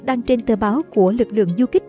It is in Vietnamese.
đăng trên tờ báo của lực lượng du kích